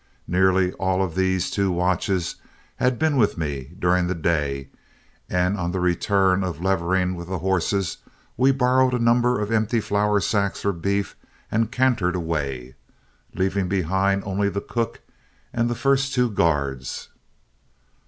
Nearly all of these two watches had been with me during the day, and on the return of Levering with the horses, we borrowed a number of empty flour sacks for beef, and cantered away, leaving behind only the cook and the first two guards.